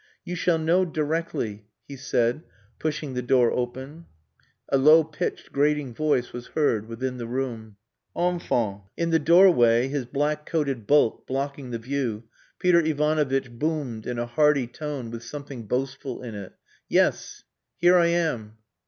"You shall know directly," he said, pushing the door open. A low pitched grating voice was heard within the room. "Enfin." In the doorway, his black coated bulk blocking the view, Peter Ivanovitch boomed in a hearty tone with something boastful in it. "Yes. Here I am!"